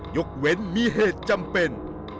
ยกเว้นมีเหตุจำเป็น